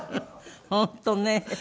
本当ね。